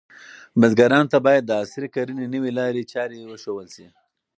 بزګرانو ته باید د عصري کرنې نوې لارې چارې وښودل شي.